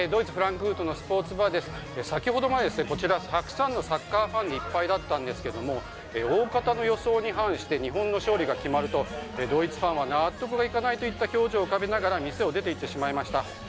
先ほどまで、こちらたくさんのサッカーファンでいっぱいだったんですけれども大方の予想に反して日本の勝利が決まるとドイツファンは納得がいかないといった表情を浮かべながら店を出ていってしまいました。